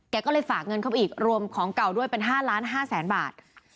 ก็เลยฝากเงินเข้าไปอีกรวมของเก่าด้วยเป็น๕๕๐๐๐๐บาท